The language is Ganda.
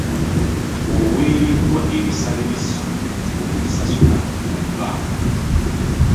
Oweereddwa ebisale by’essomero okubisasula mu bbanka.